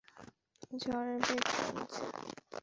ঝড়ের বেগ কমছে।